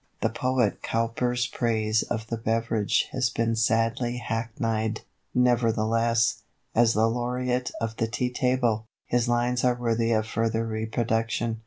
The poet Cowper's praise of the beverage has been sadly hackneyed; nevertheless, as the Laureate of the tea table, his lines are worthy of further reproduction.